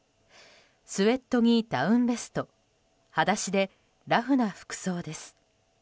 スウェットにダウンベスト裸足でラフな服装です。